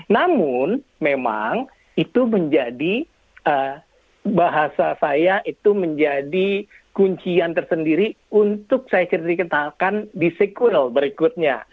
namun memang itu menjadi bahasa saya itu menjadi kuncian tersendiri untuk saya dikenalkan di sequel berikutnya